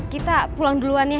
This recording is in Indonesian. kita pulang duluan ya